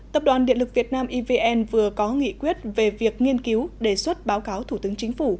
tập đoàn điện lực việt nam evn vừa có nghị quyết về việc nghiên cứu đề xuất báo cáo thủ tướng chính phủ